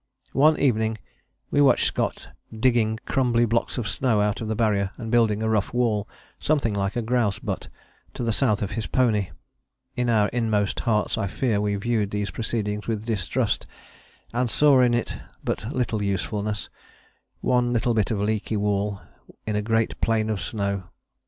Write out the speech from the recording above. One evening we watched Scott digging crumbly blocks of snow out of the Barrier and building a rough wall, something like a grouse butt, to the south of his pony. In our inmost hearts I fear we viewed these proceedings with distrust, and saw in it but little usefulness, one little bit of leaky wall in a great plain of snow.